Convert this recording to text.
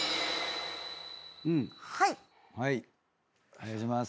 お願いします。